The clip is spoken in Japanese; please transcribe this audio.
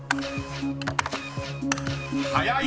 ［早い！